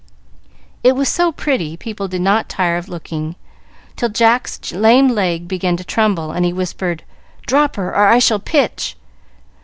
It was so pretty, people did not tire of looking, till Jack's lame leg began to tremble, and he whispered: "Drop her or I shall pitch."